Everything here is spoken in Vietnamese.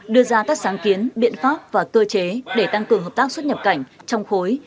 đưa ra các sáng kiến biện pháp và cơ chế để tăng cường hợp tác xuất nhập cảnh trong khối